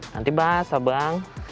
nanti basah bang